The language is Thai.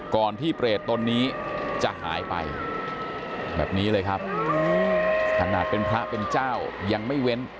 ก่อนที่เปรตนนี้จะหายไปแบบนี้เลยครับขนาดเป็นพระเป็นเจ้ายังไม่เว้น